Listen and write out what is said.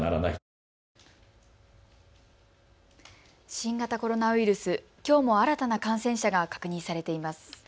新型コロナウイルス、きょうも新たな感染者が確認されています。